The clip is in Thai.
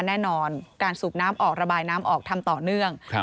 แน่นอนการสูบน้ำออกระบายน้ำออกทำต่อเนื่อง